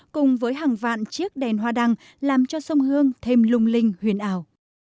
cùng với hàng vạn chiếc đèn hoa đăng làm cho sông hương thêm lung linh huyền ảo